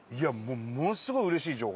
ものすごいうれしい情報。